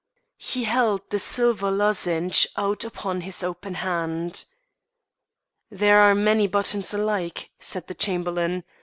He held the silver lozenge out upon his open hand. "There are many buttons alike," said the Chamberlain.